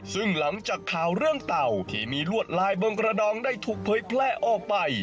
ซึ่งหลังจากข่าวเรื่องเต่าที่มีลวดลายบนกระดองได้ถูกเผยแพร่ออกไป